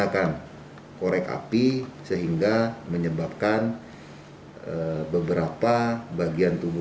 kepolisian sektor tamu